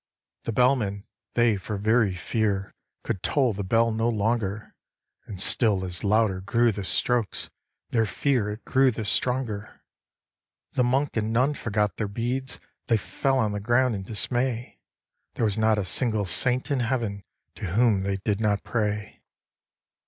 The bellmen, they for very fear Could toll the bell no longer; And still as louder grew the strokes Their fear it grew the stronger. The Monk and Nun forgot their beads, They fell on the ground in dismay; There was not a single Saint in heaven To whom they did not pray.